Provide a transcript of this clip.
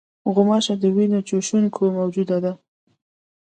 غوماشه د وینې چوشوونکې موجوده ده.